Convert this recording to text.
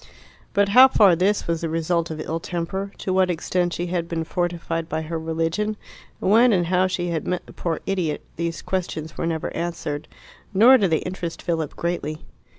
But how far this was the result of ill temper, to what extent she had been fortified by her religion, when and how she had met the poor idiot these questions were never answered, nor did they interest Philip greatly.